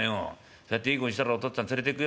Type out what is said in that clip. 「そうやっていい子にしてりゃお父っつぁん連れてくよ